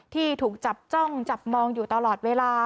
ที่ถูกจับจ้องจับมองอยู่ตลอดเวลา